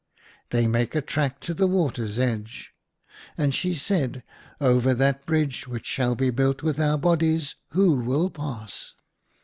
" They make a track to the water's edge ." And she said, " Over that bridge which shall be built with our bodies, who will pass